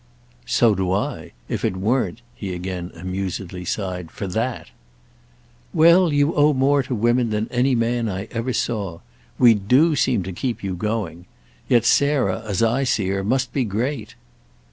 "So do I. If it weren't," he again amusedly sighed, "for that—!" "Well, you owe more to women than any man I ever saw. We do seem to keep you going. Yet Sarah, as I see her, must be great."